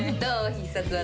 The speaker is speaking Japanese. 必殺技。